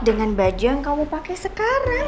dengan baju yang kamu pake sekarang